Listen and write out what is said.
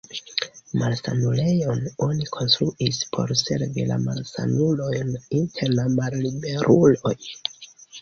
Malsanulejon oni konstruis por servi la malsanulojn inter la malliberuloj.